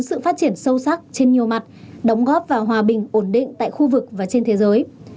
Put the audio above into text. đối tác trên nhiều mặt đóng góp vào hòa bình ổn định tại khu vực và trên thế giới